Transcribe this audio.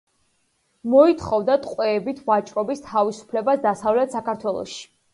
მოითხოვდა ტყვეებით ვაჭრობის თავისუფლებას დასავლეთ საქართველოში.